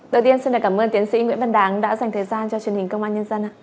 đầu tiên xin cảm ơn tiến sĩ nguyễn văn đáng đã dành thời gian cho truyền hình công an nhân dân